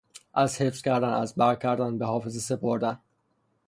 از حفظ کردن، از بر کردن، به حافظه سپردن